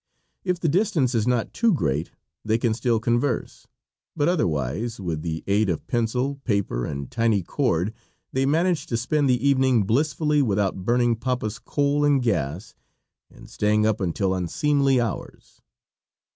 If the distance is not too great, they can still converse; but otherwise, with the aid of pencil, paper, and tiny cord, they manage to spend the evening blissfully without burning papa's coal and gas, and staying up until unseemly hours.